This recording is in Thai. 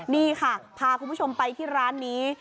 นี่ค่ะพาคุณผู้ชมไปที่ร้านนี้